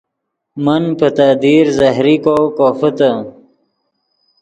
من پے تے دیر زہریکو کوفیتے